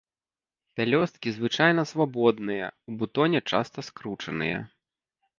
Пялёсткі звычайна свабодныя, у бутоне часта скручаныя.